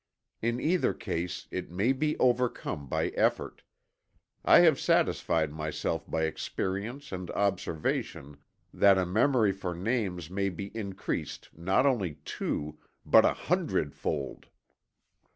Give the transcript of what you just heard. In either case it may be overcome by effort.... I have satisfied myself by experience and observation that a memory for names may be increased not only two, but a hundredfold."